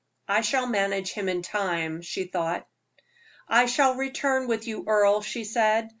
"I shall manage him in time," she thought. "I shall return with you, Earle," she said.